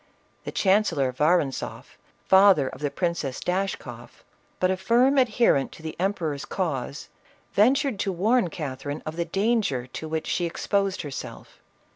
The chancellor Vorontzoflj father of the Princess Dash koff, but a firm adherent to the emperor's cause, ven tured to warn Catherine of the danger to which she exposed herself.